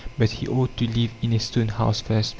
But he ought to live in a stone house first.